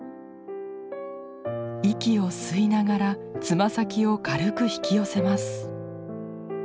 息を吸いながらつま先を軽く引き寄せます。